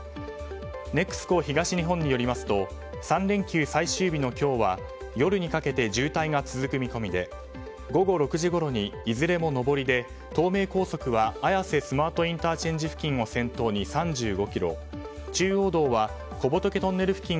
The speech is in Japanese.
ＮＥＸＣＯ東日本によりますと３連休最終日の今日は夜にかけて渋滞が続く見込みで午後６時ごろに、いずれも上りで東名高速は綾瀬スマートＩＣ付近を先頭に部屋干しクサくなりそう。